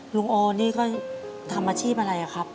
โอนี่ก็ทำอาชีพอะไรครับ